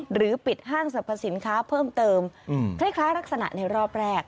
หรือปิดห้างสรรพสินค้าเพิ่มเติมคล้ายลักษณะในรอบแรก